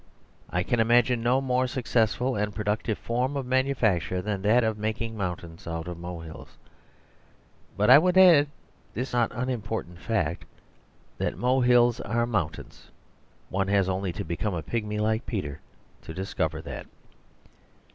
I can imagine no more successful and productive form of manufacture than that of making mountains out of molehills. But I would add this not unimportant fact, that molehills are mountains; one has only to become a pigmy like Peter to discover that.